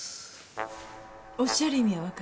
おっしゃる意味は分かりました。